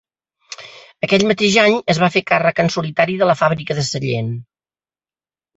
Aquell mateix any es va fer càrrec en solitari de la fàbrica de Sallent.